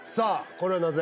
これはなぜ？